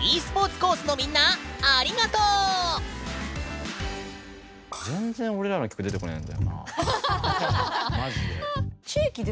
ｅスポーツコースのみんなありがとうまじで。